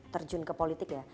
terjun ke politik ya